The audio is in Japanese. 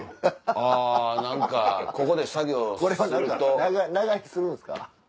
あぁ何かここで作業すると。これは長居するんですか？